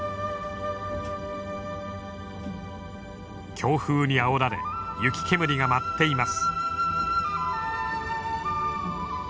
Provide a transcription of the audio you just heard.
強風にあおられ雪煙が舞っています。